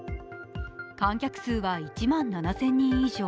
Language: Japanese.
観客数は１万７０００人以上。